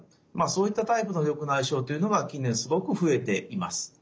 そういったタイプの緑内障というのが近年すごく増えています。